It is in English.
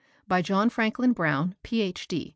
By John Franklin Brown, Ph.D.